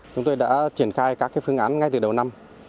chúng tôi đã triển khai các phương án ngay từ đầu năm